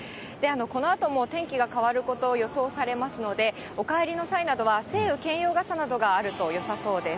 このあとも天気が変わることを予想されますので、お帰りの際などは、晴雨兼用傘などがあるとよさそうです。